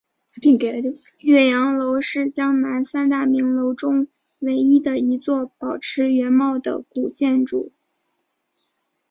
岳阳楼是江南三大名楼中唯一的一座保持原貌的古建筑。